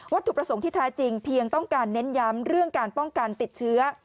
ถูกประสงค์ที่แท้จริงเพียงต้องการเน้นย้ำเรื่องการป้องกันติดเชื้อ